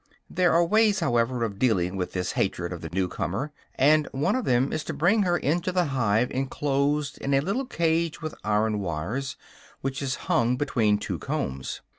There are ways, however, of dealing with this hatred of the new comer; and one of them is to bring her into the hive enclosed in a little cage with iron wires, which is hung between two combs.